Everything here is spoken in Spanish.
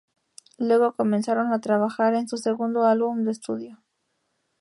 Luego, comenzaron a trabajar en su segundo álbum de estudio.